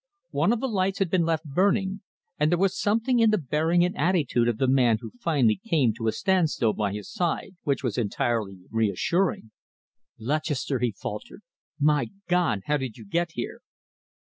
One of the lights had been left burning, and there was something in the bearing and attitude of the man who finally came to a standstill by his side, which was entirely reassuring. "Lutchester!" he faltered. "My God, how did you get here?"